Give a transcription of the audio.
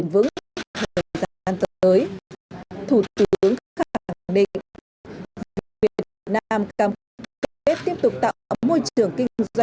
thủ tướng khẳng định việt nam campuchia tiếp tục tạo môi trường kinh doanh bình đẳng minh mạnh dựa trên nguyên tắc thị trường công bằng lợi ích hệ hòa rủi ro chia sẻ